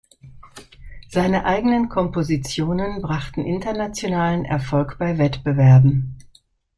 Seine eigenen Kompositionen brachten internationalen Erfolg bei Wettbewerben.